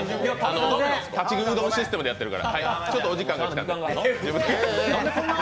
立ち食いうどんシステムでやってるから。